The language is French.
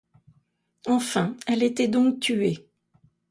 Enfin, elle était donc tuée!